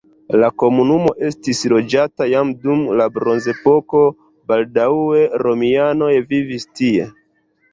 La komunumo estis loĝata jam dum la bronzepoko, baldaŭe romianoj vivis tie.